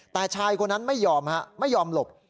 แต่ชายคนนั้นไม่ยอมค่ะไม่ยอมหลบ